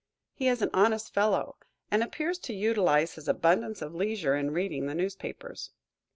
He is an honest fellow, and appears to utilize his abundance of leisure in reading the newspapers.